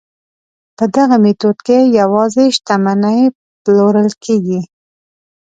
په دغه میتود کې یوازې شتمنۍ پلورل کیږي.